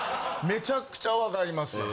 めちゃくちゃわかります。